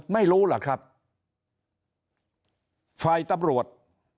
ไม่รู้ล่ะครับฝ่ายตำรวจ